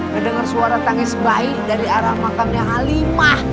ngedenger suara tangis bayi dari arah makamnya halimah